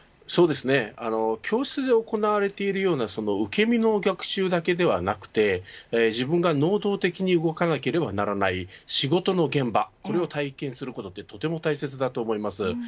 教室で行われているような受け身の学習だけではなくて自分が能動的に動かなければならない仕事の現場、これを体験することはとても大切だと思います。